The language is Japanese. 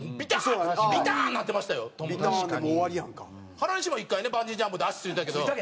原西も１回ねバンジージャンプで足ついたけど。